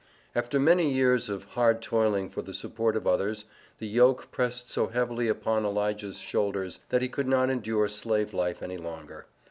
After many years of hard toiling for the support of others, the yoke pressed so heavily upon Elijah's shoulders, that he could not endure Slave life any longer.